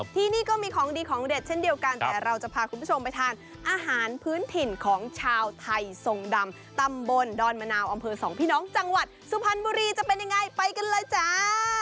ที่นี่ก็มีของดีของเด็ดเช่นเดียวกันแต่เราจะพาคุณผู้ชมไปทานอาหารพื้นถิ่นของชาวไทยทรงดำตำบลดอนมะนาวอำเภอสองพี่น้องจังหวัดสุพรรณบุรีจะเป็นยังไงไปกันเลยจ้า